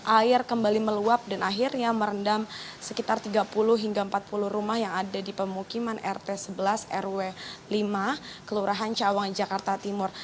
air kembali meluap dan akhirnya merendam sekitar tiga puluh hingga empat puluh rumah yang ada di pemukiman rt sebelas rw lima kelurahan cawang jakarta timur